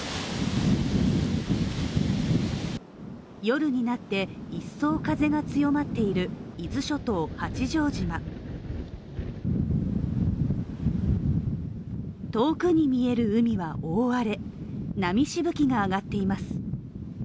夜になって一層風が強まっている伊豆諸島八丈島遠くに見える海は大荒れ波しぶきが上がっています。